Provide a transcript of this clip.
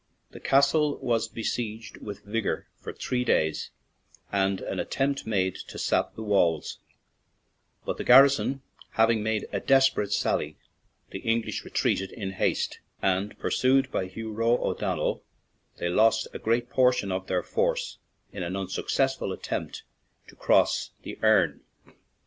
The castle was besieged with vigor for three days and an attempt made to sap the walls, but the garrison having made a desperate sally, the English retreated in haste, and, pur sued by Hugh Roe O'Donnell, they lost a great portion of their force in an unsuc cessful attempt to cross the Erne.